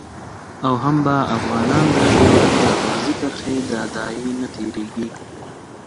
او هم به افغانان د ډیورند د فرضي کرښې د داعیې نه تیریږي